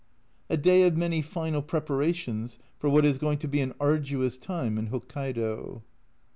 A day of many final preparations for what is going to be an arduous time in Hokkaido.